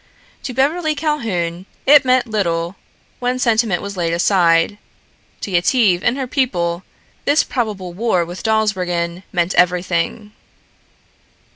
To Beverly Calhoun, it meant little when sentiment was laid aside; to Yetive and her people this probable war with Dawsbergen meant everything.